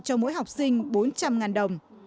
cho mỗi học sinh bốn trăm linh đồng